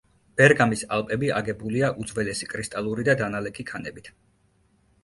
ბერგამის ალპები აგებულია უძველესი კრისტალური და დანალექი ქანებით.